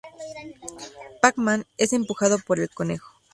Pac-Man es empujado por el conejo.